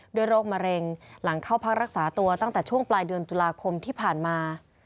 โรคมะเร็งหลังเข้าพักรักษาตัวตั้งแต่ช่วงปลายเดือนตุลาคมที่ผ่านมา